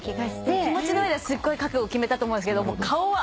気持ちの上ではすっごい覚悟決めたと思うんですけど顔は。